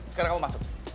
sekarang kamu masuk